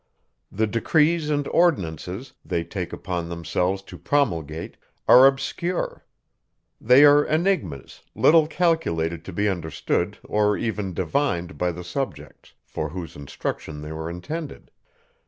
The decrees and ordinances, they take upon themselves to promulgate, are obscure; they are enigmas, little calculated to be understood, or even divined, by the subjects, for whose instruction they were intended.